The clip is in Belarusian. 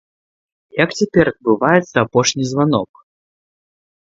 Як цяпер адбываецца апошні званок?